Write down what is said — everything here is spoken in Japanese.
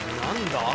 何だ？